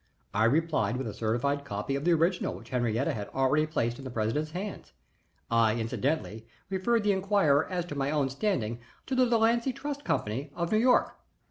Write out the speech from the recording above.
I replied with a certified copy of the original which Henriette had already placed in the president's hands. I incidentally referred the inquirer as to my own standing to the Delancy Trust Company, of New York.